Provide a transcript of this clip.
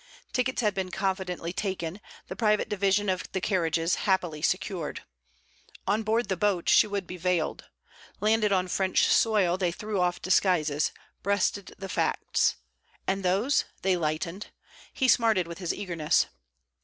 Tickets had been confidently taken, the private division of the carriages happily secured. On board the boat she would be veiled. Landed on French soil, they threw off disguises, breasted the facts. And those? They lightened. He smarted with his eagerness.